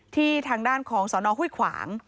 ที่ทางด้านของสอนอฮุ้ยขวาง